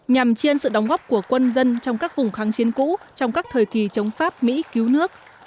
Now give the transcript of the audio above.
nhằm chiên sự đóng góp của quân dân trong các vùng kháng chiến cũ trong các thời kỳ chống pháp mỹ cứu nước